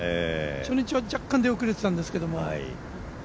初日は若干出遅れていたんですけども。